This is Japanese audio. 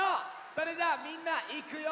それじゃあみんないくよ！